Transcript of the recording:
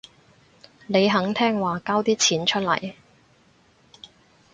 你肯聽話交啲錢出嚟